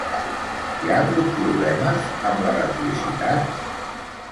Hi ha hagut problemes amb l'electricitat?